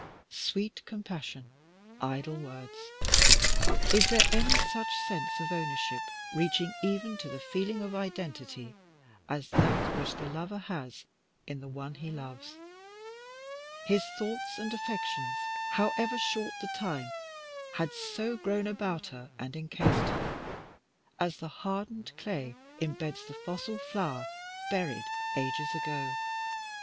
Sweet compassion! Idle words! Is there any such sense of ownership, reaching even to the feeling of identity, as that which the lover has in the one he loves? His thoughts and affections, however short the time, had so grown about her and encased her, as the hardened clay imbeds the fossil flower buried ages ago.